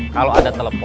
kalau ada telepon